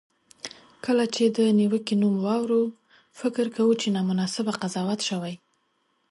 کله چې د نیوکې نوم واورو، فکر کوو چې نامناسبه قضاوت شوی.